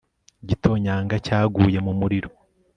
igitonyanga cya guye mu muriro